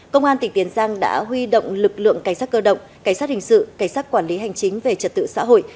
công an tỉnh tiền giang đã huy động lực lượng cảnh sát cơ động cảnh sát hình sự cảnh sát quản lý hành chính về trật tự xã hội